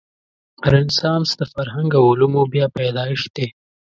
رنسانس د فرهنګ او علومو بیا پیدایښت دی.